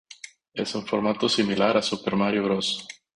Es un formato similar a Super Mario Bros.